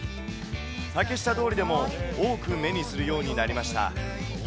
竹下通りでも多く目にするようになりました。